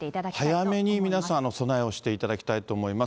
早めに皆さん、備えをしていただきたいと思います。